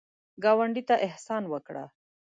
ګاونډي ته احسان وکړه